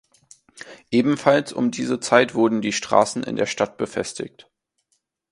Ebenfalls um diese Zeit wurden die Straßen in der Stadt befestigt.